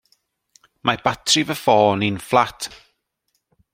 Mae batri fy ffôn i'n fflat.